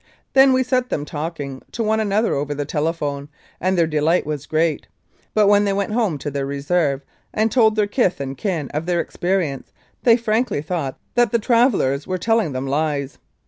Then we set them talking to one another over the telephone, and their delight was great, but when they went home to their Reserve and told their kith and kin of their experience they frankly thought that the travellers were telling them lies